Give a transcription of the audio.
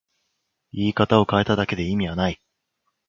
言い方を変えただけで意味はない